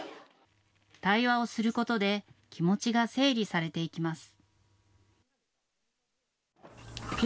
対話をすることで気持ちが整理されていきます。